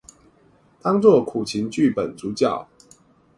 當做苦情劇本主角